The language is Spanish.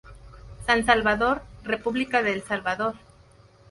San Salvador, República de El Salvador.